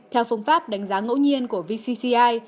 theo phong pháp đánh giá ngẫu nhiên của vcci